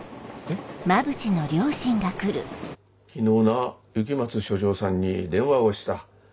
昨日な雪松署長さんに電話をした。